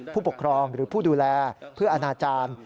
ผู้ปกครองหรือผู้ดูแลเพื่ออนาจารย์